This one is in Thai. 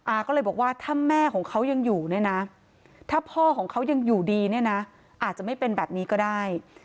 อาก็เลยบอกว่าถ้าแม่ของเขายังอยู่เนี่ยนะถ้าพ่อของเขายังอยู่ดีเนี่ยนะอาจจะไม่เป็นแบบนี้ก็ได้